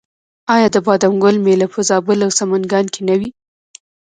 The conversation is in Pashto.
آیا د بادام ګل میله په زابل او سمنګان کې نه وي؟